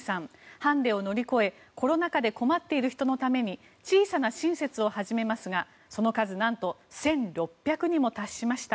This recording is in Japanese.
ハンディを乗り越えコロナ禍で困っている人のために小さな親切を始めますがその数なんと１６００にも達しました。